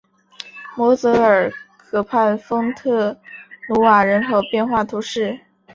摩泽尔河畔丰特努瓦人口变化图示